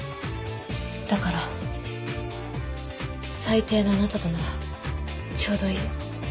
だから最低なあなたとならちょうどいい。